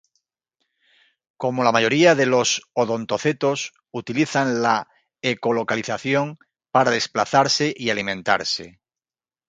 Como la mayoría de los odontocetos utilizan la ecolocalización para desplazarse y alimentarse.